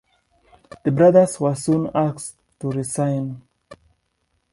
The Brothers were soon asked to 'resign'.